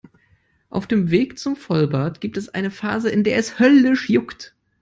Auf dem Weg zum Vollbart gibt es eine Phase, in der es höllisch juckt.